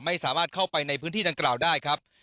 ไม่สามารถเข้าไปในพื้นที่ดังกล่าวได้ครับ